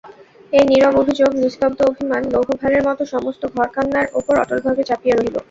এই নীরব অভিযোগ নিস্তব্ধ অভিমান লৌহভারের মতো সমস্ত ঘরকন্নার উপর অটলভাবে চাপিয়া রহিল।